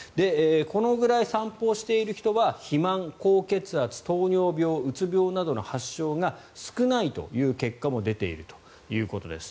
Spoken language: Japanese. このぐらい散歩をしている人は肥満、高血圧糖尿病、うつ病などの発症が少ないという結果も出ているということです。